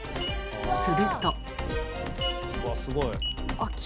すると。